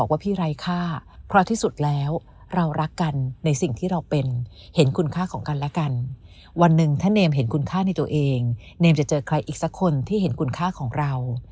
วันหนึ่งถ้าเนมเห็นคุณค่าในตัวเองเนมจะเจอใครอีกสักคนที่เห็นคุณค่าของเรา